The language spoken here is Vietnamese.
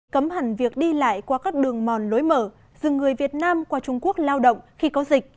cấm hẳn việc đi lại qua các đường mòn lối mở dừng người việt nam qua trung quốc lao động khi có dịch